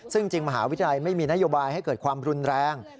ซึ่งจริงมหาวิทยาลัยไม่มีนโยบายให้เกิดความรุนแรง